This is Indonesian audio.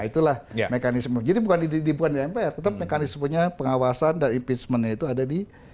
itulah mekanisme jadi bukan di mpr tetap mekanismenya pengawasan dan impeachmentnya itu ada di